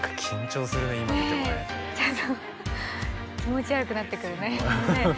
ちょっと気持ち悪くなってくるね。